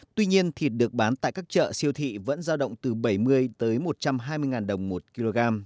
tuy nhiên thịt được bán tại các chợ siêu thị vẫn giao động từ bảy mươi tới một trăm hai mươi đồng một kg